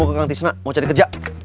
saya mau ke kang tisna mau cari kerja